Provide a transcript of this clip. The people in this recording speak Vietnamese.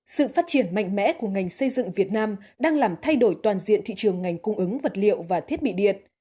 sự phát triển mạnh mẽ của ngành xây dựng việt nam đang làm thay đổi toàn diện thị trường ngành cung ứng vật liệu và thiết bị điện